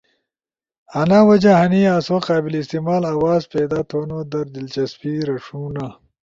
انا وجہ ہنی آسو قابل استعمال آواز پیدا تھونو در دلچسپی رݜونا!